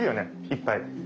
いっぱい。